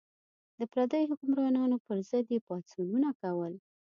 د پردیو حکمرانانو پر ضد یې پاڅونونه کول.